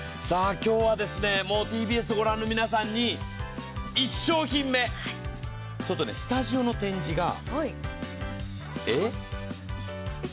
今日はＴＢＳ御覧の皆さんに１商品目、スタジオの展示がえっ？